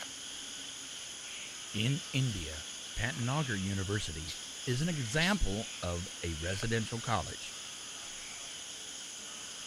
In India, Pantnagar University is an example of a residential college.